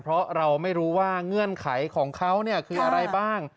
เพราะเราไม่รู้ว่าเงื่อนไขของเขาคืออะไรบ้าง